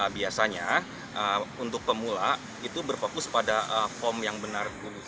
biasanya untuk pemula itu berfokus pada form yang benar dulu